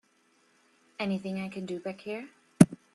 Anything I can do back here?